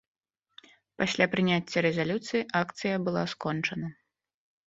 Пасля прыняцця рэзалюцыі акцыя была скончана.